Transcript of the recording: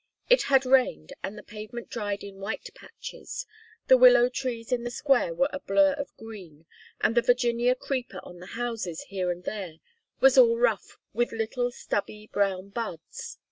It had rained, and the pavement dried in white patches, the willow trees in the square were a blur of green, and the Virginia creeper on the houses here and there was all rough with little stubby brown buds.